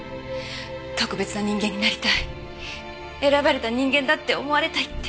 特別な人間になりたい選ばれた人間だって思われたいって。